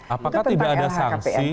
apakah tidak ada sangsi